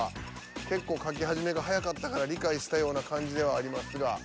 結構描き始めが早かったから理解したような感じではありますが。